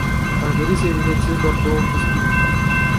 Aș dori să evidențiez doar două chestiuni.